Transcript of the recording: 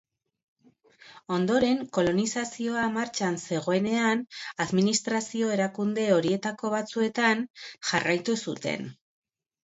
Ondoren, kolonizazioa martxan zegoenean administrazio-erakunde horietako batzuetan jarraitu zuten.